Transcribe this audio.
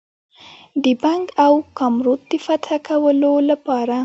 د بنګ او کامرود د فتح کولو لپاره.